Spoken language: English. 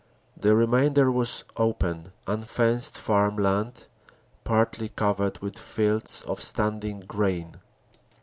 The remainder was open, unfenced farm land, partly covered with fields of stand ing grain.